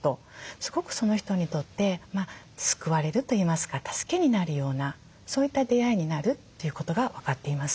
すごくその人にとって救われるといいますか助けになるようなそういった出会いになるということが分かっています。